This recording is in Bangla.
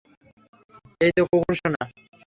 এইতো, কুকুরসোনা!